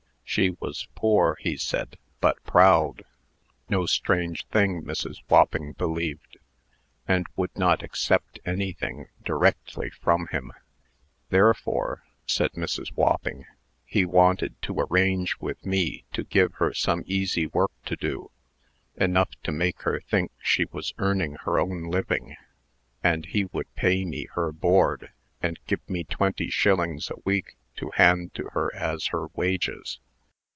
She was poor, he said, but proud no strange thing, Mrs. Wopping believed and would not accept anything directly from him. "Therefore," said Mrs. Wopping, "he wanted to arrange with me to give her some easy work to do, enough to make her think she was earning her own living, and he would pay me her board, and give me twenty shillings a week to hand to her as her wages.